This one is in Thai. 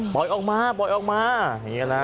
บอกออกมาอย่างนี้นะ